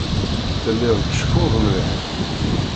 Telliḍ tceffuḍ mliḥ.